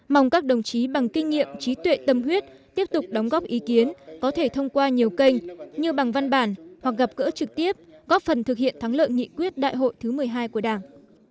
mong các đồng chí bằng kinh nghiệm trí tuệ tâm huyết tiếp tục đóng góp ý kiến có thể thông qua nhiều kênh như bằng văn bản hoặc gặp gỡ trực tiếp góp phần thực hiện thắng lợi nghị quyết đại hội thứ một mươi hai của đảng